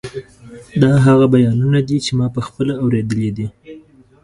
دا هغه بیانونه دي چې ما پخپله اورېدلي دي.